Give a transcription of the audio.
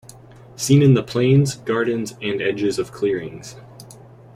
Seen in the plains, gardens, and edges of clearings.